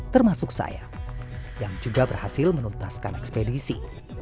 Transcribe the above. termasuk saya yang juga berhasil menuntaskan ekspedisi